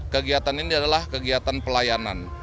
kegiatan ini adalah kegiatan pelayanan